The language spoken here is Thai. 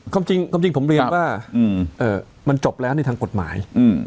ความจริงผมเรียนว่ามันจบแล้วในทางกฎหมาย